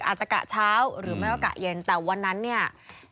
กะเช้าหรือไม่ก็กะเย็นแต่วันนั้นเนี่ย